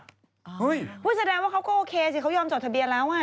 พูดแสดงว่าเขาก็โอเคสิเขายอมจดทะเบียนแล้วอ่ะ